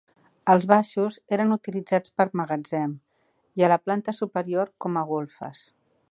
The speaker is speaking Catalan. Els baixos eren utilitzats per magatzem i la planta superior com a golfes.